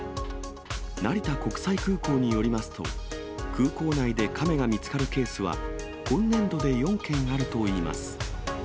成田国際空港によりますと、空港内でカメが見つかるケースは、今年度で４件あるといいます。